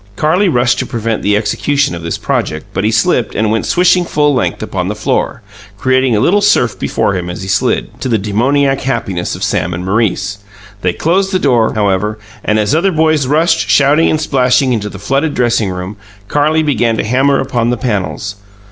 Carlie rushed to prevent the execution of this project; but he slipped and went swishing full length along the floor, creating a little surf before him as he slid, to the demoniac happiness of Sam and Maurice. They closed the door, however, and, as other boys rushed, shouting and splashing, into the flooded dressing room, Carlie began to hammer upon the panels.